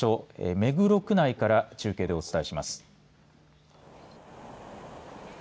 目黒区内から中継でお伝えします。